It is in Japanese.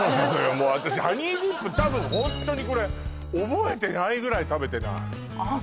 もう私ハニーディップ多分ホントにこれ覚えてないぐらい食べてないああ